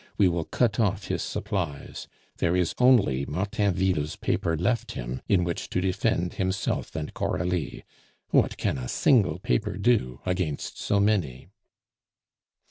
We will cut off his supplies. There is only Martainville's paper left him in which to defend himself and Coralie; what can a single paper do against so many?"